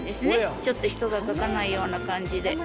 ちょっと人が書かないような感じで。